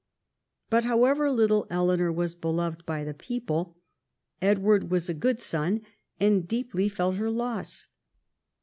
But however little Eleanor was beloved by the people, Edward was a good son and deeply felt her loss.